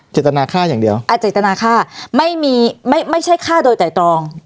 เจตนาฆ่าอย่างเดียวอาเจตนาฆ่าไม่มีไม่ใช่ฆ่าโดยไตรตรอง